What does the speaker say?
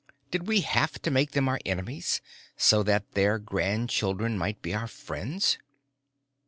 Did we have to make them our enemies, so that their grandchildren might be our friends?